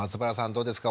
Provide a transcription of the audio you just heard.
どうですか？